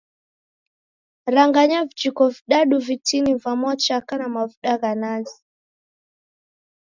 Ranganya vijiko vidadu vitini va mwachaka na mavuda gha nazi.